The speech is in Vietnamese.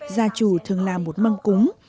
gia chủ thường làm một măng cúng